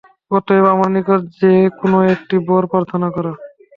অতএব আমার নিকট যে কোন একটি বর প্রার্থনা কর।